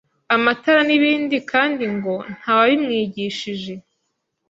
amatara n’ibindi kandi ngo ntawabimwigishije.